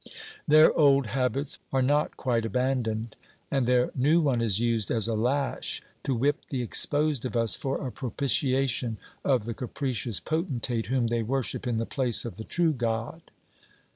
Their old habits are not quite abandoned, and their new one is used as a lash to whip the exposed of us for a propitiation of the capricious potentate whom they worship in the place of the true God.'